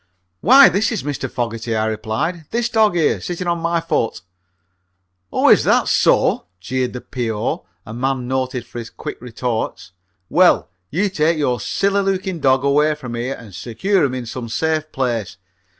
"Why, this is Mr. Fogerty," I replied; "this dog here, sitting on my foot." "Oh, is that so?" jeered the P.O., a man noted for his quick retorts. "Well, you take your silly looking dog away from here and secure him in some safe place.